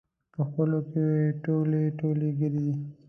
په خپلو کې ټولی ټولی ګرځي.